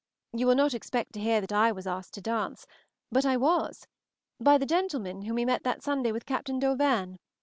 You will not expect to hear that I was asked to dance, but I was by the gentleman whom we met that Sunday with Captain D'Auvergne.